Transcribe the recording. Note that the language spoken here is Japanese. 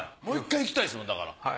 もう１回行きたいですだから。